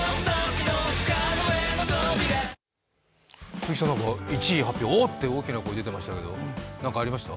鈴木さん、１位発表、おっ！って大きな声出てましたけど何かありました？